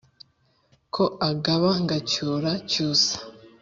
ko agaba ngacyura, cyusa,